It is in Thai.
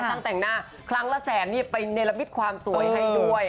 ช่างแต่งหน้าครั้งละแสนนี่ไปเนรมิตความสวยให้ด้วย